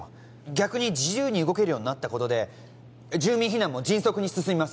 逆に自由に動けるようになったことで住民避難も迅速に進みます